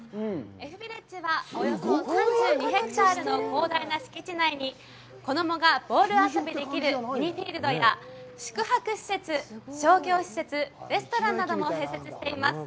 Ｆビレッジはおよそ３２ヘクタールの広大な敷地内に子供がボール遊びできるフィールドや宿泊施設、商業施設、レストランなども併設しています。